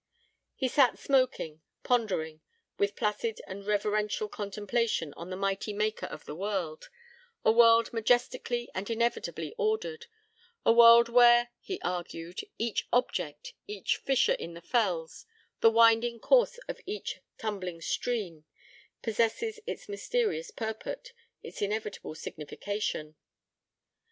He sat smoking; pondering, with placid and reverential contemplation, on the Mighty Maker of the world a world majestically and inevitably ordered; a world where, he argued, each object each fissure in the fells, the winding course of each tumbling stream possesses its mysterious purport, its inevitable signification....